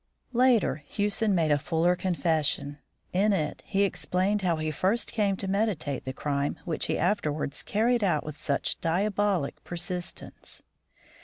Later, Hewson made a fuller confession. In it, he explained how he first came to meditate the crime which he afterwards carried out with such diabolic persistence.